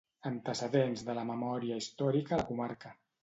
Antecedents de la memòria històrica a la comarca.